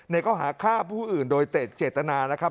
ข้อหาฆ่าผู้อื่นโดยเตะเจตนานะครับ